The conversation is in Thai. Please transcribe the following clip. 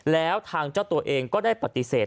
แล้วทางเจ้าตัวเองก็ได้ปฏิเสธ